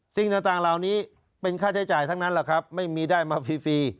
สิ่งต่างเหล่านี้เป็นค่าใช้จ่ายทั้งนั้นแหละครับไม่มีได้มาฟรี